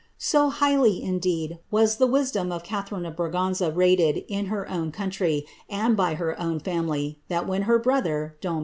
So highly, indeed, was the wisdom of Catharine of Braganza rated n her own country, and by her own family, that when her brother, don